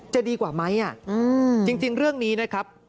จะดีกว่าไหมจริงเรื่องนี้นะครับ